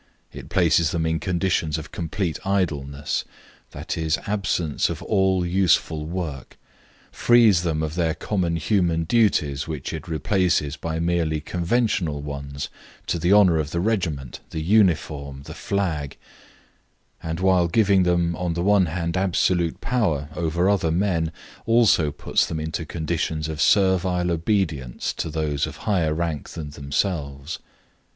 It places them in conditions of complete idleness, i.e., absence of all useful work; frees them of their common human duties, which it replaces by merely conventional ones to the honour of the regiment, the uniform, the flag; and, while giving them on the one hand absolute power over other men, also puts them into conditions of servile obedience to those of higher rank than themselves.